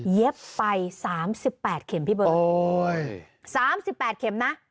ไป๓๘เข็มพี่เบิร์ต๓๘เข็มนะ